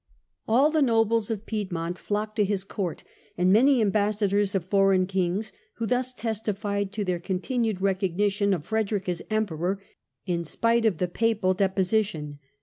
All the nobles of Piedmont flocked to his Court, and many ambassadors of foreign kings, who thus testified to their continued recognition of Frederick as Em peror in spite of the Papal deposition.